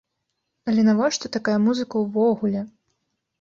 Але навошта такая музыка ўвогуле?